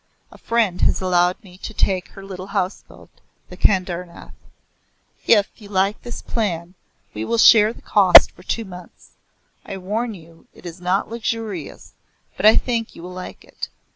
A friend has allowed me to take her little houseboat, the "Kedarnath." If you like this plan we will share the cost for two months. I warn you it is not luxurious, but I think you will like it.